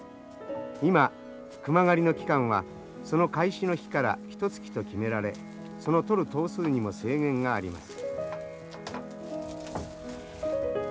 今熊狩りの期間はその開始の日からひとつきと決められその取る頭数にも制限があります。